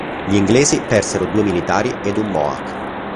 Gli inglesi persero due militari ed un Mohawk.